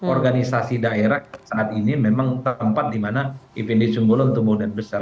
organisasi daerah saat ini memang tempat dimana fd simbolon tumbuh dan besar